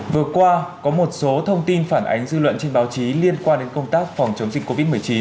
vừa qua có một số thông tin phản ánh dư luận trên báo chí liên quan đến công tác phòng chống dịch covid một mươi chín